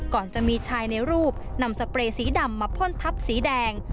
ก่อนจะมีชายในรูปนำสเปรย์สีดำมาพ่นทับสีแดง